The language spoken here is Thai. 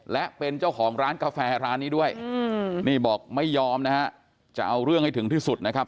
และเป็นเจ้าของร้านกาแฟร้านนี้ด้วยนี่บอกไม่ยอมนะฮะจะเอาเรื่องให้ถึงที่สุดนะครับ